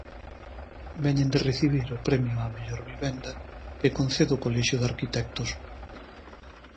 Veñen de recibir o premio á mellor vivenda que concede o colexio de arquitectos.